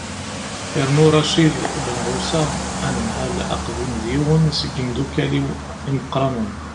yernu racid benɣusa anemhal aqdim d yiwen seg yimeddukkal-iw imeqqranen